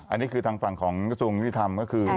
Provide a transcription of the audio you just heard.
อันนี้คือทางฝั่งของกระทรวงยุติธรรมก็คือ